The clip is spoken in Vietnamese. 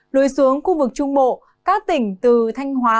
đối xuống khu vực trung bộ cát tỉnh từ thanh hóa